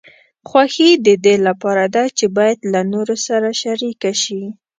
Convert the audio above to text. خوښي د دې لپاره ده چې باید له نورو سره شریکه شي.